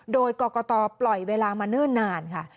โดยกรกตปล่อยเวลามาเนิ่นนานค่ะ